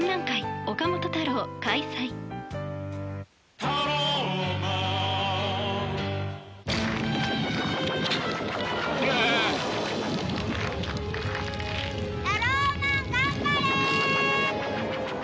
タローマン頑張れ！